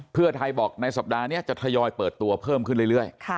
เพื่อไทยบอกในสัปดาห์นี้จะทยอยเปิดตัวเพิ่มขึ้นเรื่อย